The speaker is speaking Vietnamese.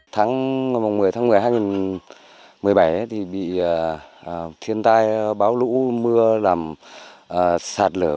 tháng một mươi tháng một mươi hai nghìn một mươi bảy thì bị thiên tai báo lũ mưa làm sạt lở